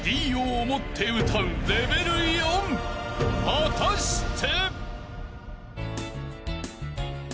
［果たして！？］